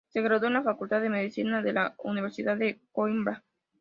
Se graduó en la Facultad de Medicina de la Universidad de Coímbra.